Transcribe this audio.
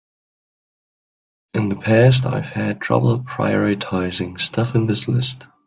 In the past I've had trouble prioritizing stuff in this list.